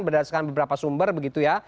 berdasarkan beberapa sumber begitu ya